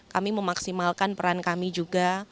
kami memaksimalkan peran kami juga